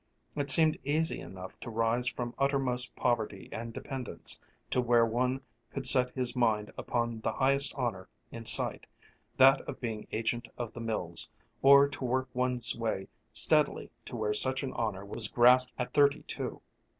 It seemed easy enough to rise from uttermost poverty and dependence to where one could set his mind upon the highest honor in sight, that of being agent of the mills, or to work one's way steadily to where such an honor was grasped at thirty two.